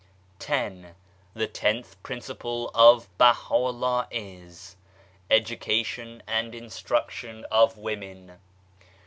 X. The tenth principle of Baha'u'llah is : Education and Instruction of Women.